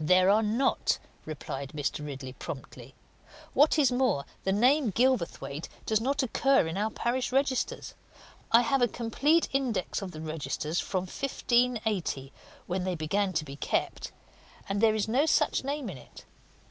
"There are not," replied Mr. Ridley promptly. "What is more, the name Gilverthwaite does not occur in our parish registers. I have a complete index of the registers from 1580, when they began to be kept, and there is no such name in it.